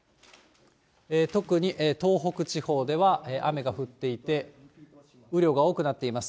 特に東北地方では雨が降っていて、雨量が多くなっています。